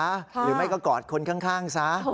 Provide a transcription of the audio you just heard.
หรือไม่ก็กอดคนข้างซะ